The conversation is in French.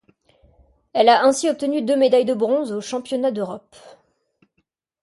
Elle a ainsi obtenu deux médailles de bronze aux championnats d'Europe.